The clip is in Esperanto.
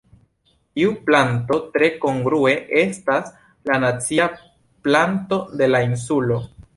Tiu planto tre kongrue estas la nacia planto de la insulo.